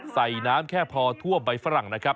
ใส่น้ำแค่พอทั่วใบฝรั่งนะครับ